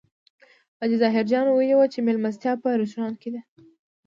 حاجي ظاهر جان ویلي و چې مېلمستیا په رستورانت کې ده.